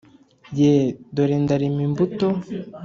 Ye dore ndarema imbuto